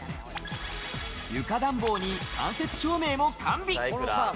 床暖房に間接照明も完備。